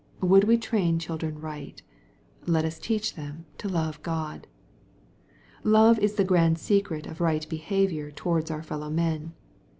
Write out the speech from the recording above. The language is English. Would we train children right ? Let us teach them to love God. Love is the grand secret of right behavior towards our fellow men..